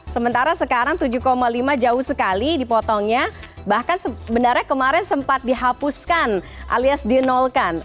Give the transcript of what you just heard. sementara sekarang tujuh lima jauh sekali dipotongnya bahkan sebenarnya kemarin sempat dihapuskan alias dinolkan